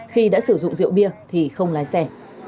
khi đã sử dụng rượu bia thì không lái xe